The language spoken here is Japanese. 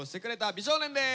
美少年です